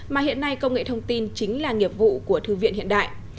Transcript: mà hiện nay công nghệ thông tin chính là nghiệp vụ của thư viện hiện đại